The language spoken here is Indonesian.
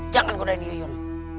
jangan godain yuyun